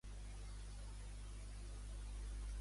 En quina organització es vol incorporar Kosovo?